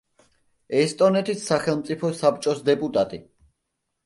ესტონეთის სახელმწიფო საბჭოს დეპუტატი.